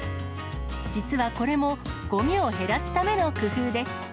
実はこれも、ごみを減らすための工夫です。